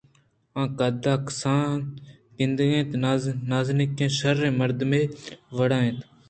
آ قد ءَ کسان گندگءَ نازرک ءُشرّیں مردمے ءِ وڑا اَت